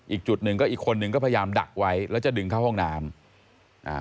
อีกจุดหนึ่งก็อีกคนนึงก็พยายามดักไว้แล้วจะดึงเข้าห้องน้ำอ่า